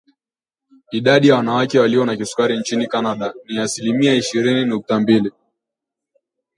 Idadi ya wanawake walio na kisukari nchini Canada ni asilimia ishirini nukta mbili